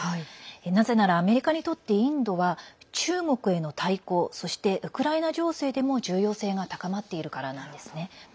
なぜならアメリカにとってインドは中国への対抗そしてウクライナ情勢でも重要性が高まっているからなんですね。